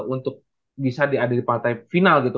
untuk bisa di adelipantai final gitu